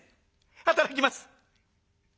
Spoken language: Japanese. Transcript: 働きます。